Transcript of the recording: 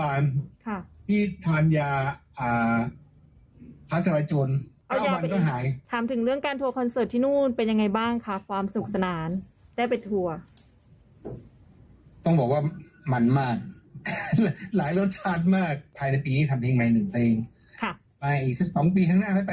อ่าอาวเป็นว่ากลับมาแล้วแฟนหายคิดถึงแน่นอนนะคะ